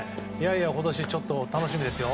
今年、ちょっと楽しみですよ。